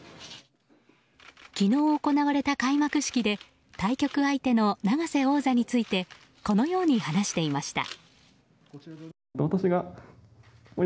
昨日行われた開幕式で対局相手の永瀬王座についてこのように話していました。